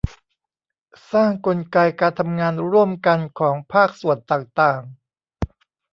สร้างกลไกการทำงานร่วมกันของภาคส่วนต่างต่าง